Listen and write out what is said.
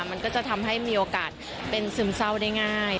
มันก็จะทำให้มีโอกาสเป็นซึมเศร้าได้ง่าย